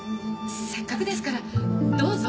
せっかくですからどうぞ。